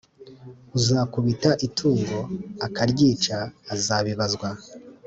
Uzakubita itungo akaryica azabibazwa